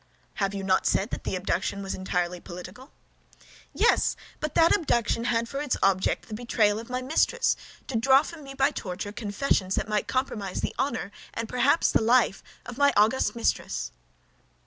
"Have you not said that that abduction was entirely political?" "Yes; but that abduction had for its object the betrayal of my mistress, to draw from me by torture confessions that might compromise the honor, and perhaps the life, of my august mistress."